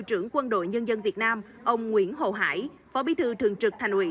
trưởng quân đội nhân dân việt nam ông nguyễn hồ hải phó bí thư thường trực thành ủy